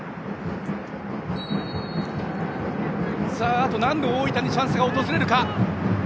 あと何度、大分にチャンスが訪れるか。